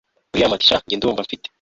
william ati sha njye ndumva mfite